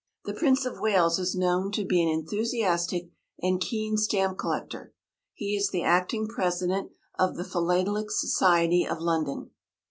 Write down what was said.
The Prince of Wales is known to be an enthusiastic and keen stamp collector. He is the acting President of the Philatelic Society of London.